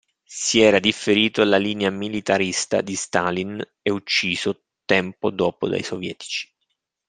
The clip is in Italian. Si era differito alla linea militarista di Stalin e ucciso tempo dopo dai sovietici.